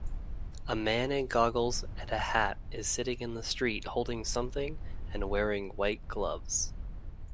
A man in goggles and a hat is sitting in the street holding something and wearing white gloves